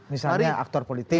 misalnya aktor politik